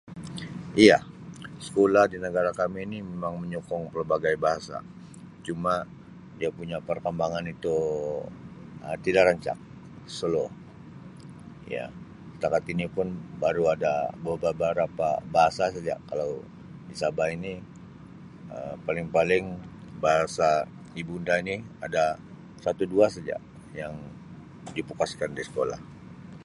Ya, sekolah di negara kami ini memang menyokong pelbagai bahasa cuma dia punya perkembangan itu Um tidak rancak, slow, ya setakat ini pun baru ada beberapa bahasa saja kalau di Sabah ini Um paling-paling bahasa ibunda ini ada satu dua saja yang difokuskan di sekolah.